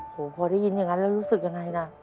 โอ้โหพอได้ยินอย่างนั้นแล้วรู้สึกยังไงล่ะ